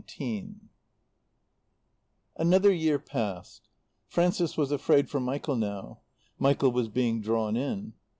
XVII Another year passed. Frances was afraid for Michael now. Michael was being drawn in.